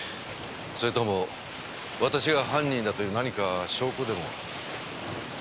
それとも私が犯人だという何か証拠でも？